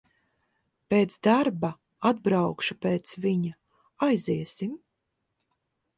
Pēc darba atbraukšu pēc viņa, aiziesim.